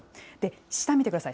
下見てください。